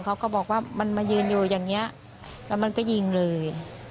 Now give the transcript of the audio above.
เขาก็บอกว่ามันมายืนอยู่อย่างนี้แล้วมันก็ยิงเลย